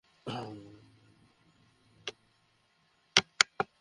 আমি তোমাদের হতে ও তোমরা আল্লাহ ব্যতীত যাদের ইবাদত কর তাদের হতে পৃথক হচ্ছি।